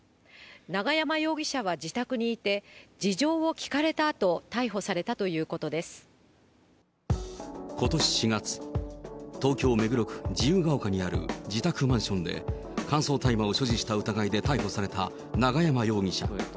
永山容疑者は自宅にいて、事情を聴かれたあと、ことし４月、東京・目黒区自由が丘にある自宅マンションで、乾燥大麻を所持した疑いで逮捕された、永山容疑者。